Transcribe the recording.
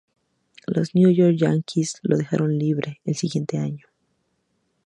Los New York Yankees lo dejaron libre el siguiente año.